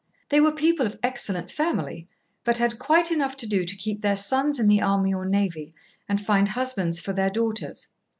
They were people of excellent family, but had quite enough to do to keep their sons in the army or navy and find husbands for their daughters.